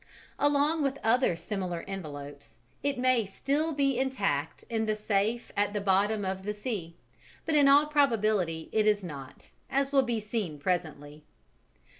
Along with other similar envelopes it may be still intact in the safe at the bottom of the sea, but in all probability it is not, as will be seen presently.